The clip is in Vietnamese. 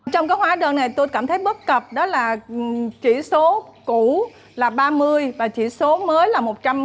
trong các hóa đơn này tôi cảm thấy bất cập đó là chỉ số cũ là ba mươi và chỉ số mới là một trăm một mươi